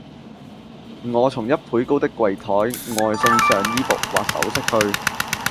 我從一倍高的櫃臺外送上衣服或首飾去，